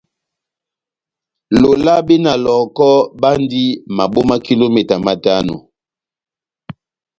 Lolabe na Lɔhɔkɔ bandi maboma kilometa matano.